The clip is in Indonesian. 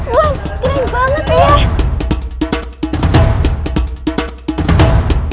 wah keren banget ya